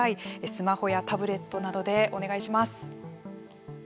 スマホやタブレットなどでお願いします。